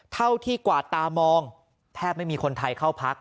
เท่าที่กวาดตามองแทบไม่มีคนไทยเข้าพัก